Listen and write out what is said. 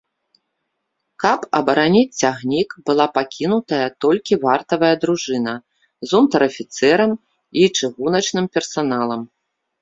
Каб абараніць цягнік, была пакінутая толькі вартавая дружына з унтэр-афіцэрам і чыгуначным персаналам.